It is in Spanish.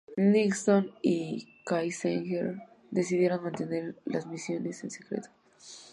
Nixon y Kissinger decidieron mantener las misiones en secreto.